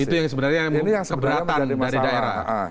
itu yang sebenarnya keberatan dari daerah